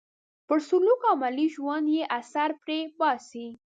پر سلوک او عملي ژوند یې اثر پرې باسي.